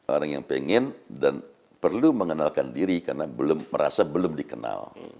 orang yang pengen dan perlu mengenalkan diri karena belum merasa belum dikenal